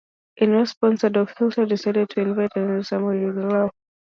In response, Adolf Hitler decided to invade and dismember Yugoslavia.